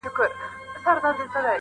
o ائینه زړونه درواغ وایي چي نه مرو.